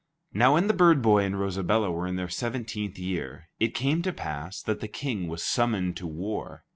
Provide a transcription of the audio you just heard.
Now when the bird boy and Rosabella were in their seventeenth year, it came to pass that the King was summoned to war.